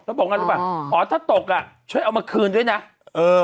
แล้วบอกงั้นหรือเปล่าอ๋อถ้าตกอ่ะช่วยเอามาคืนด้วยน่ะเออ